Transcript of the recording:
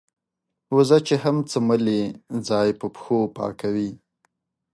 وزه چې هم څملې ځای په پښو پاکوي.